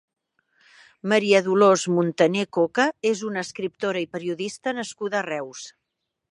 Maria Dolors Muntané Coca és una escriptora i periodista nascuda a Reus.